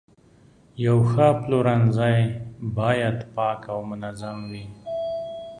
یو ښه پلورنځی باید پاک او منظم وي.